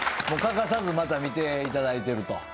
欠かさず見ていただいてると。